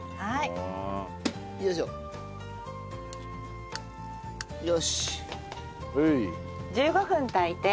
はい！